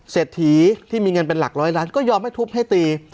เศรษฐีที่มีเงินเป็นหลักร้อยล้านก็ยอมให้ทุบให้ตี